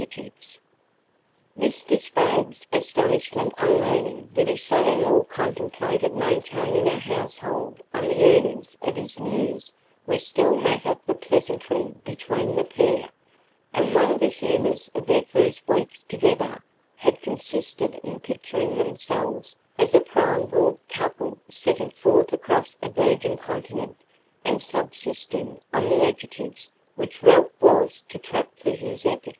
Spragg's astonishment on learning that his son in law contemplated maintaining a household on the earnings of his Muse was still matter for pleasantry between the pair; and one of the humours of their first weeks together had consisted in picturing themselves as a primeval couple setting forth across a virgin continent and subsisting on the adjectives which Ralph was to trap for his epic.